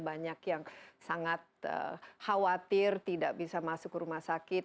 banyak yang sangat khawatir tidak bisa masuk ke rumah sakit